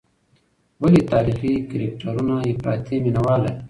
ولې تاریخي کرکټرونه افراطي مینه وال لري؟